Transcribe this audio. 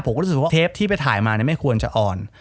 รู้สึกว่าเทปที่ไปถ่ายมาไม่ควรจะอ่อน